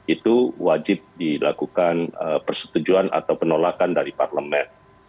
itu wajib dilakukan persetujuan atau penolakan dari parlemen